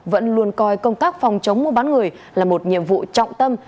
vẫn luôn coi công tác phòng chống mua bán người là một nhiệm vụ trọng tâm